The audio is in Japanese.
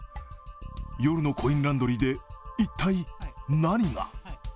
夜のコインランドリーで一体、何が？